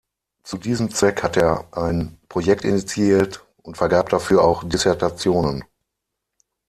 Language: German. Zu diesem Zweck hat er ein Projekt initiiert und vergab dafür auch Dissertationen.